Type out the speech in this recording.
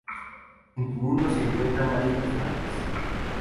En su mundo se encuentran varios personajes.